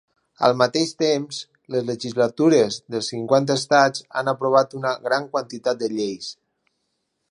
Al mateix temps, les legislatures dels cinquanta estats han aprovat una gran quantitat de lleis.